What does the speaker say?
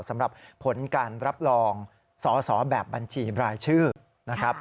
สำหรับผลการรับรองสอสอแบบบัญชีรายชื่อนะครับ